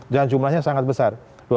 jangan jumlahnya sangat besar